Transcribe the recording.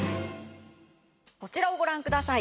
こちらをご覧ください。